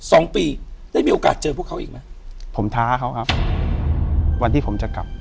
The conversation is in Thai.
สองปีได้มีโอกาสเจอพวกเขาอีกไหมผมท้าเขาครับวันที่ผมจะกลับ